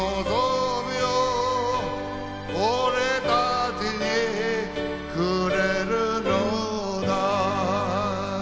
「俺たちにくれるのだ」